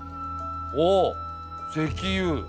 あっ石油！